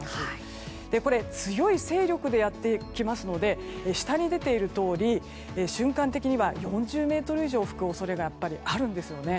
強い勢力でやってきますので下に出ているとおり瞬間的には４０メートル以上吹く恐れがあるんですよね。